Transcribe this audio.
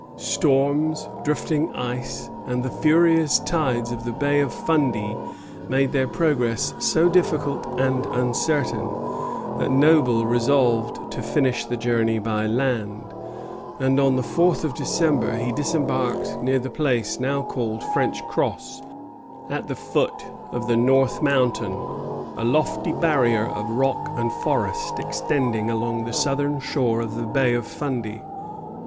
Storms, drifting ice, and the furious tides of the Bay of Fundy made their progress so difficult and uncertain that Noble resolved to finish the journey by land; and on the 4th of December he disembarked near the place now called French Cross, at the foot of the North Mountain, a lofty barrier of rock and forest extending along the southern shore of the Bay of Fundy.